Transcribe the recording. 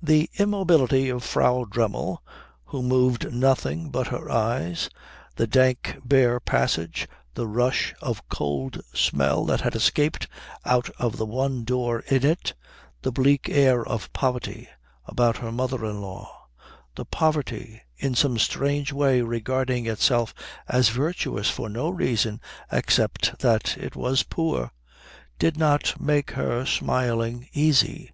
The immobility of Frau Dremmel, who moved nothing but her eyes, the dank bare passage, the rush of cold smell that had escaped out of the one door in it, the bleak air of poverty about her mother in law poverty in some strange way regarding itself as virtuous for no reason except that it was poor did not make her smiling easy.